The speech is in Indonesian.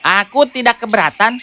aku tidak keberatan